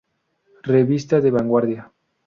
Revista de vanguardia.